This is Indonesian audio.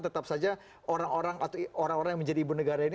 tetap saja orang orang atau orang orang yang menjadi ibu negara ini